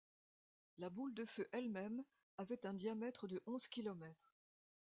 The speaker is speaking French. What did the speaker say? La boule de feu elle-même avait un diamètre de onze kilomètres.